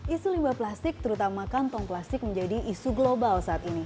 isu limbah plastik terutama kantong plastik menjadi isu global saat ini